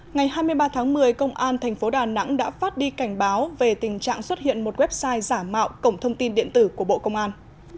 ngày hai mươi ba tháng một mươi công an tp đà nẵng đã phát đi cảnh báo về tình trạng xuất hiện một website giả mạo cổng thông tin điện tử của bộ công an